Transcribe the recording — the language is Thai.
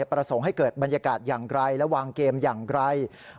ประสงค์ให้เกิดบรรยากาศอย่างไรและวางเกมอย่างไร